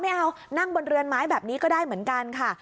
ไม่เอานั่งบนเรือนไม้แบบนี้ก็ได้เหมือนกันค่ะ